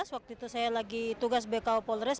waktu itu saya lagi tugas bko polres